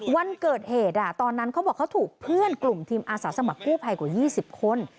วันเกิดเหตุตอนนั้นเขาบอกเขาถูกเพื่อนกลุ่มทีมอาสาสมัครกู้ภัยกว่า๒๐คน